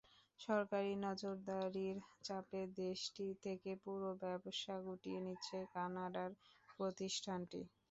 সরকারি নজরদারির চাপে দেশটি থেকে পুরো ব্যবসা গুটিয়ে নিচ্ছে কানাডার প্রতিষ্ঠানটি।